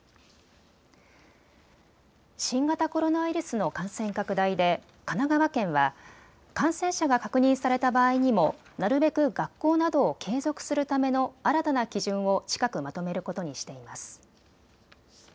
新型コロナウイルスの感染拡大で神奈川県は感染者が確認された場合にもなるべく学校などを継続するための新たな基準を近くまとめることにしています。